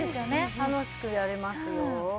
楽しくやれますよ。